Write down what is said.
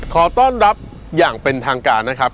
ขอต้อนรับอย่างเป็นทางการนะครับ